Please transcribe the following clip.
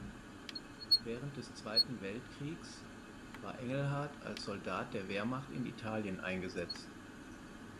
Während des Zweiten Weltkrieges war Engelhardt als Soldat der Wehrmacht in Italien eingesetzt.